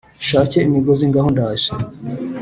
Nshake imigozi ngaho ndaje.